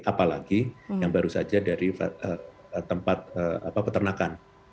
apalagi yang baru saja dari tempat peternakan